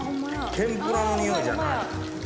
天ぷらの匂いじゃない。